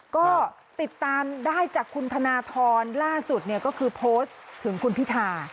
ก็ติดตามได้จากคุณธนทรล่าสุดเนี่ยก็คือโพสต์ถึงคุณพิธา